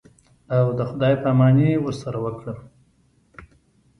او د خداى پاماني ورسره وکړم.